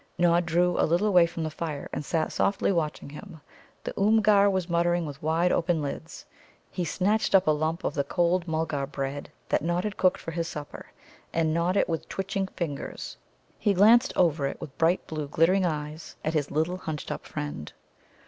Nod drew a little away from the fire, and sat softly watching him. The Oomgar was muttering with wide open lids. He snatched up a lump of the cold Mulgar bread that Nod had cooked for his supper, and gnawed it with twitching fingers. He glanced over it with bright blue glittering eyes at his little hunched up friend.